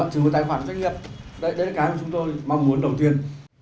trừ cái tài khoản trách nhiệm đấy là cái mà chúng tôi mong muốn đầu tiên